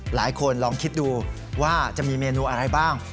หลายคนลองคิดดูว่าจะมีเมนูอะไรบ้าง